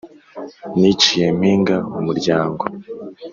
Niciye Mpinga umuryango